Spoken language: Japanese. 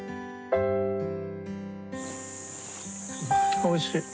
おいしい。